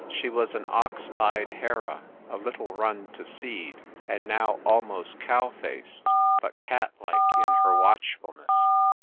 She was an ox eyed Hera, a little run to seed, and now almost cow faced, but cat like in her watchfulness.